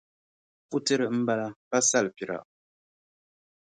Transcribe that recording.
Putira m-bala pa salipira.